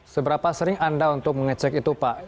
seberapa sering anda untuk mengecek itu pak